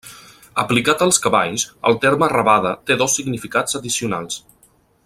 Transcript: Aplicat als cavalls, el terme rabada té dos significats addicionals.